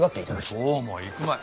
そうもいくまい。